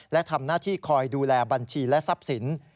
และทำหน้าที่คอยดูแลบัญชีและทรัพย์สิน